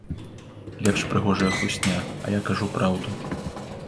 Лепш прыгожая хлусня, а я кажу праўду.